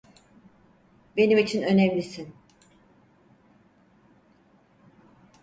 Benim için önemlisin.